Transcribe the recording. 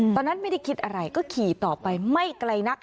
ตอนนั้นไม่ได้คิดอะไรก็ขี่ต่อไปไม่ไกลนัก